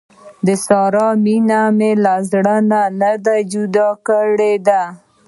د سارې مینه مې له زړه نه جدا کړې ده.